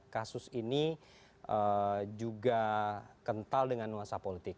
kasus ini juga kental dengan nuansa politik